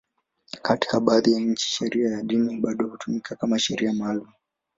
Katika baadhi ya nchi, sheria ya dini bado hutumika kama sheria maalum.